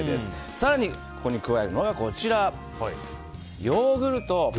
更にここに加えるのがヨーグルト。